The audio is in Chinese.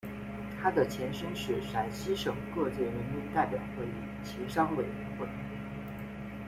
它的前身是陕西省各界人民代表会议协商委员会。